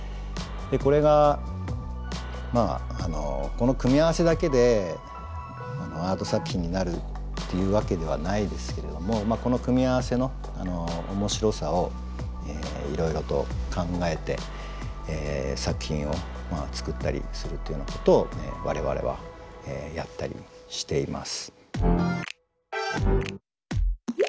これがまあこの組み合わせだけでアート作品になるっていうわけではないですけれどもこの組み合わせの面白さをいろいろと考えて作品を作ったりするというようなことを我々はやったりしています。